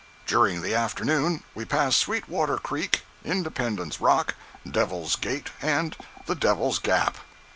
During the afternoon we passed Sweetwater Creek, Independence Rock, Devil's Gate and the Devil's Gap.